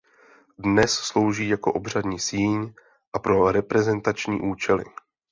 Dnes slouží jako obřadní síň a pro reprezentační účely.